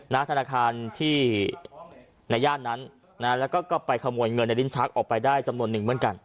ธนาคารที่ในย่านนั้นนะแล้วก็ไปขโมยเงินในลิ้นชักออกไปได้จำนวนนึงเหมือนกัน